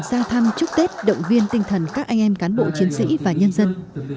ra thăm chúc tết động viên tinh thần các anh em cán bộ chiến sĩ và nhân dân